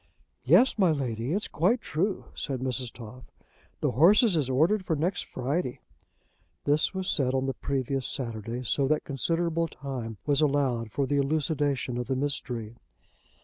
"Yes, my Lady, it's quite true," said Mrs. Toff. "The horses is ordered for next Friday." This was said on the previous Saturday, so that considerable time was allowed for the elucidation of the mystery.